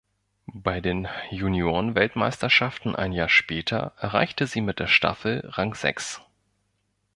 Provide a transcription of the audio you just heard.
Bei den Juniorenweltmeisterschaften ein Jahr später erreichte sie mit der Staffel Rang Sechs.